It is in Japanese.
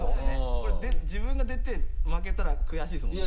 これ自分が出て負けたら悔しいですもんね。